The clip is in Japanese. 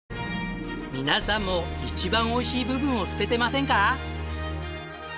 皆さんも一番おいしい部分を捨ててませんか？